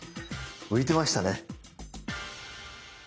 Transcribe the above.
浮いてましたね。